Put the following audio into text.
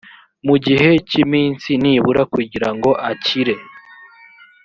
mu gihe cy iminsi nibura kugira ngo akire